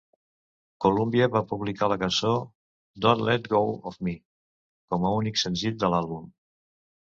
Columbia va publicar la cançó "Don't Let Go of Me" com a únic senzill de l'àlbum.